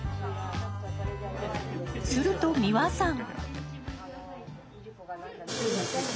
すると三和さん。